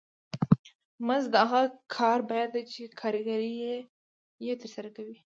مزد د هغه کار بیه ده چې کارګر یې ترسره کوي